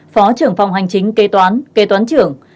phó trưởng phòng hành chính kế toán kê toán trưởng